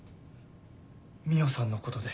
海音さんのことで。